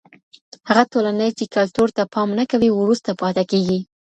هغه ټولني چی کلتور ته پام نه کوي وروسته پاته کیږي.